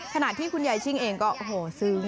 ขณะที่คุณยายชิงเองก็ซึ้ง